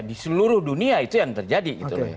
di seluruh dunia itu yang terjadi